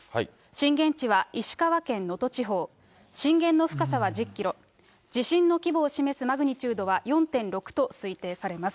震源地は石川県能登地方、震源の深さは１０キロ、地震の規模を示すマグニチュードは４．６と推定されます。